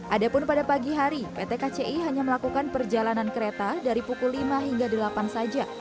adapun pada pagi hari pt kci hanya melakukan perjalanan kereta dari pukul lima hingga delapan saja